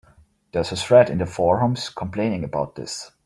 There's a thread in their forums complaining about this.